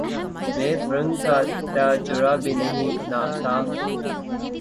مے فرنگ کا تہ جرعہ بھی نہیں ناصاف